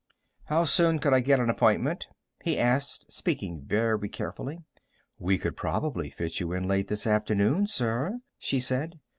"How soon could I get an appointment?" he asked, speaking very carefully. "We could probably fit you in late this afternoon, sir," she said.